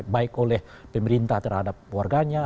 baik oleh pemerintah terhadap warganya